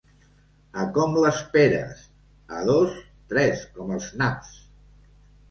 A com, les peres? —A dos, tres, com els naps.